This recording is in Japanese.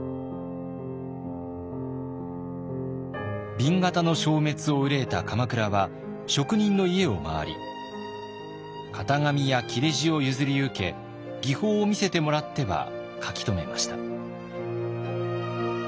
紅型の消滅を憂えた鎌倉は職人の家を回り型紙や裂地を譲り受け技法を見せてもらっては書き留めました。